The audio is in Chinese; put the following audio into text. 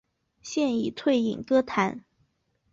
现已退隐歌坛。